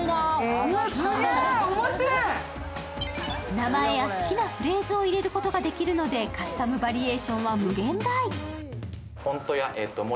名前や好きなフレーズを入れることができるのでカスタムバリエーションは無限大。